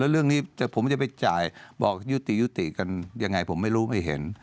เรื่องนี้ผมจะไปจ่ายบอกยุติยุติกันยังไงผมไม่รู้ไม่เห็น